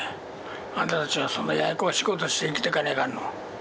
あんたたちはそんなややこしいことして生きていかないかんの？